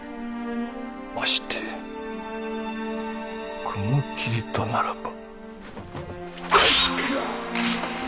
まして雲霧とならば。